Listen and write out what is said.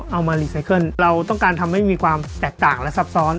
เอามารีไซเคิลเราต้องการทำให้มีความแตกต่างและซับซ้อน